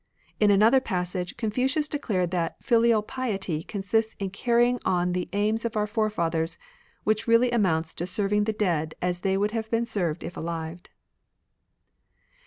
In another passage Confucius declared that filial piety consists in carrying on the aims of our forefathers, which really amounts to serving the dead as they would have been served if alive.